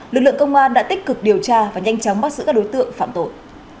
lực lượng công an đã tích cực điều tra và nhanh chóng bắt giữ các đối tượng phạm tội